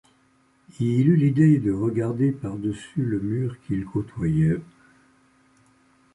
Il eut l’idée de regarder par-dessus le mur qu’il côtoyait.